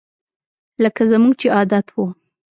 لکه زموږ چې عادت وو